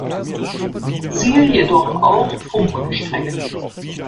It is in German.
Siehe jedoch auch Funkenstrecke.